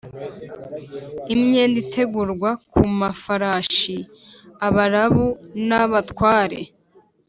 imyenda itegurwa ku mafarashi Abarabu n abatware